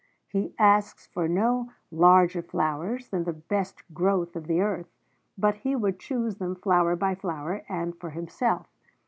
He asks for no 'larger flowers' than the best growth of the earth; but he would choose them flower by flower, and for himself.